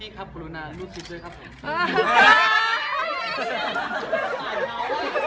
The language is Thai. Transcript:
พี่ครับครูรุนาลูกชีพด้วยครับผม